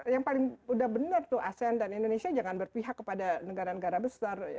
yang paling udah benar tuh asean dan indonesia jangan berpihak kepada negara negara besar